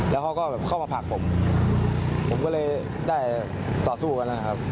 แล้วเขาก็แบบเข้ามาผลักผมผมก็เลยได้ต่อสู้กันนะครับ